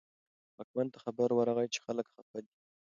واکمن ته خبر ورغی چې خلک خپه دي.